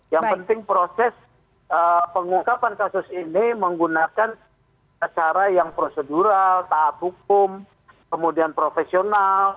yang penting proses pengungkapan kasus ini menggunakan cara yang prosedural tahap hukum kemudian profesional